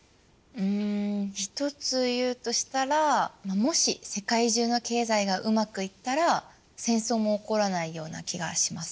うん一つ言うとしたらもし世界中の経済がうまくいったら戦争も起こらないような気がします。